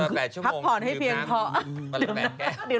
พักผ่อนให้เชือมน้ำ